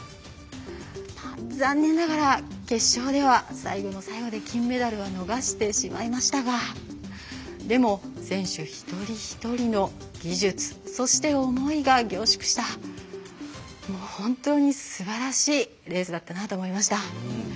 残念ながら決勝では最後の最後で金メダルは逃してしまいましたがでも、選手一人一人の技術そして、思いが凝縮した本当にすばらしいレースだったなと思いました。